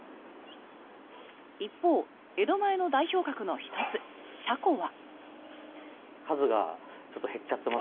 一方、江戸前の代表格の１つシャコは。